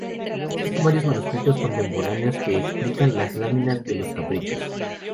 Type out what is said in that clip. Existen varios manuscritos contemporáneos que explican las láminas de "Los Caprichos".